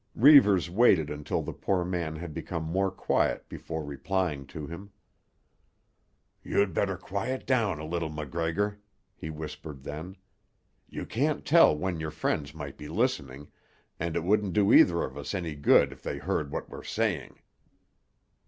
Reivers waited until the poor man had become more quiet before replying to him. "You'd better quiet down a little MacGregor," he whispered then. "You can't tell when your friends might be listening, and it wouldn't do either of us any good if they heard what we're saying."